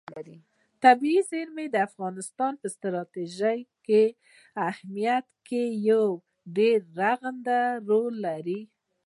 طبیعي زیرمې د افغانستان په ستراتیژیک اهمیت کې یو ډېر رغنده رول لري.